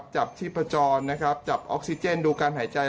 จับที่ประจอนจับออกซิเจนดูการหายใจ